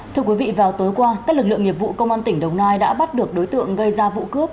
thưa quý vị vào tối qua các lực lượng nghiệp vụ công an tỉnh đồng nai đã bắt được đối tượng gây ra vụ cướp